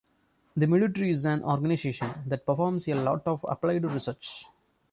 The military is an organization that performs a lot of applied research.